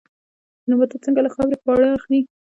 نباتات څنګه له خاورې خواړه اخلي؟